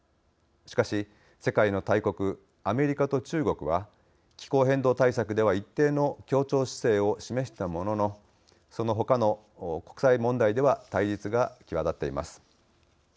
しかし、世界の大国アメリカと中国は気候変動対策では一定の協調姿勢を示したもののそのほかの国際問題では対立が際立っています。